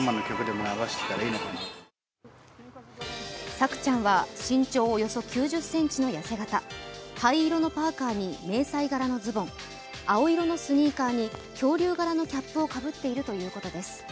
朔ちゃんは身長およそ９０ｃｍの痩せ形灰色のパーカに迷彩柄のズボン青色のスニーカーに恐竜柄のキャップをかぶっているということです。